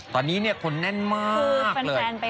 ตอนนี้เนี่ยคนแน่นมากเลย